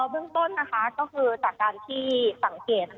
เบื้องต้นนะคะก็คือจากการที่สังเกต